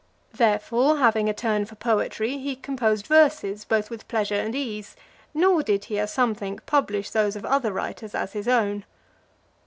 Therefore, having a turn for poetry, (380) he composed verses both with pleasure and ease; nor did he, as some think, publish those of other writers as his own.